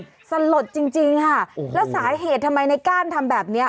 เป็นสถานการณ์สลดจริงค่ะแล้วสาเหตุทำไมนายก้านทำแบบนี้